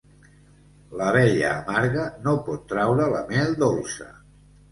L'abella amarga no pot traure la mel dolça.